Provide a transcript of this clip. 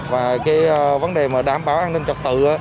và cái vấn đề mà đảm bảo an ninh trật tự